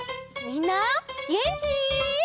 みんなげんき？